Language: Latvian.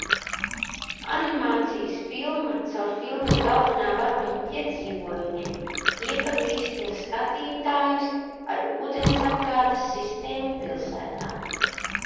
Animācijas filma caur filmas galvenā varoņa piedzīvojumiem iepazīstina skatītājus ar ūdensapgādes sistēmu pilsētā.